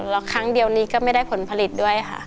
แล้วครั้งเดียวนี้ก็ไม่ได้ผลผลิตด้วยค่ะ